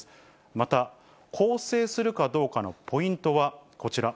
また更生するかどうかのポイントはこちら。